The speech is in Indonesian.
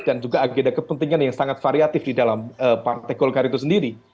dan juga agenda kepentingan yang sangat variatif di dalam partai golkar itu sendiri